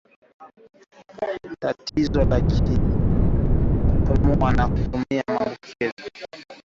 Tatizo la kupumua na kupumua kwa sauti